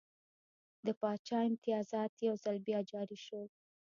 د پاچا امتیازات یو ځل بیا جاري شول.